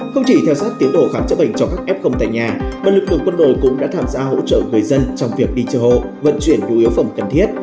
không chỉ theo sát tiến độ khám chữa bệnh cho các f tại nhà mà lực lượng quân đội cũng đã tham gia hỗ trợ người dân trong việc đi chợ hộ vận chuyển nhu yếu phẩm cần thiết